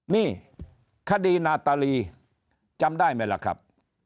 นี่คดีนาตาลีจำได้ไหมล่ะครับ